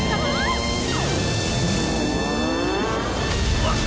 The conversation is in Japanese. うわっ！